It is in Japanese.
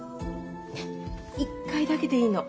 ねっ一回だけでいいの。